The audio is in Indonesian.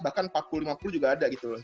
bahkan empat puluh lima puluh juga ada gitu loh